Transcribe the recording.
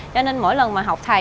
cho nên mỗi lần mà học thầy